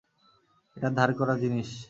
এটা ধার করা জিনিস।